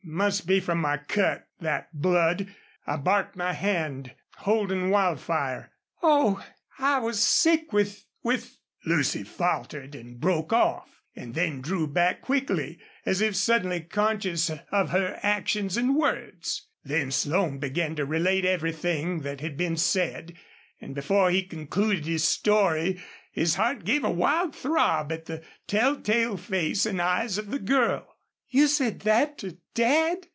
"Must be from my cut, that blood. I barked my hand holdin' Wildfire." "Oh! I I was sick with with " Lucy faltered and broke off, and then drew back quickly, as if suddenly conscious of her actions and words. Then Slone began to relate everything that had been said, and before he concluded his story his heart gave a wild throb at the telltale face and eyes of the girl. "You said that to Dad!"